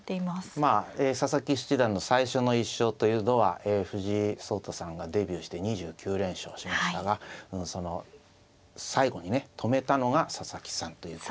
まあ佐々木七段の最初の１勝というのは藤井聡太さんがデビューして２９連勝しましたがその最後にね止めたのが佐々木さんということで。